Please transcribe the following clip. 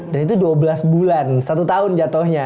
dan itu dua belas bulan satu tahun jatohnya